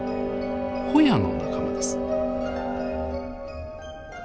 ホヤの仲間です。